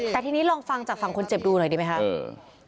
แต่ทีนี้ลองฟังจากฝั่งคนเจ็บดูหน่อยดีไหมครับ